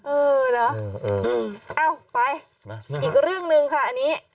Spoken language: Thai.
เออเนอะเอ้าไปอีกเรื่องหนึ่งค่ะอันนี้